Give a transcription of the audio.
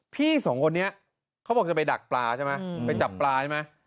พี่สองคนนี้เขาบอกจะไปดักปลาใช่ไหมไปจับปลาใช่ไหม